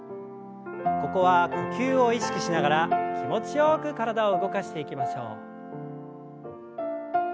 ここは呼吸を意識しながら気持ちよく体を動かしていきましょう。